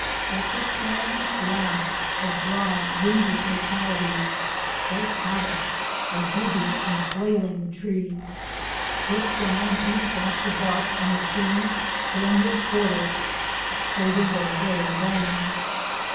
But the sand blasts of dry, windy localities play havoc by beating and flaying the trees. This sand beats off the bark on the trees' stormward quarter, ex posing their very bones.